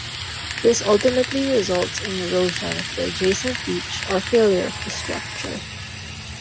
This ultimately results in erosion of the adjacent beach or failure of the structure.